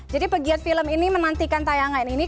jadi pegiat film ini menantikan tayangan ini